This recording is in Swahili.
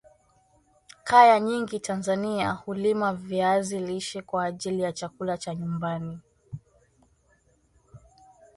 Kaya nyingi Tanzania hulima viazi lishe kwa ajili ya chakula cha nyumbani